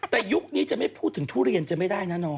แต่ยุคนี้จะไม่พูดถึงทุเรียนจะไม่ได้นะน้อง